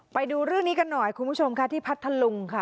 ไปดูเรื่องนี้กันหน่อยคุณผู้ชมค่ะที่พัทธลุงค่ะ